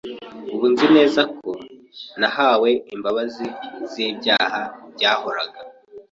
ubu nzi neza ko nahawe imbabazi z’ibyaha byahoraga